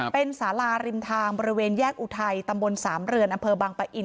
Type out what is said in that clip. เป็นสาราริมทางบริเวณแยกอุทัยตำบลสามเรือนอำเภอบังปะอิน